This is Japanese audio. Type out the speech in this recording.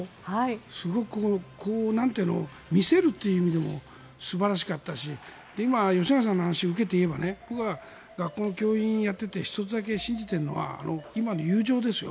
すごく見せるっていう意味でも素晴らしかったし今、吉永さんの話を受けて言えば僕が学校の教員をやっていて１つだけ信じているのは今の友情ですよ。